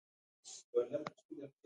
بربران دعوه کوي چې له آره یهود دي.